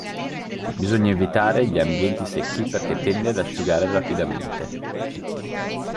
Bisogna evitare gli ambienti secchi perché tende ad asciugare rapidamente.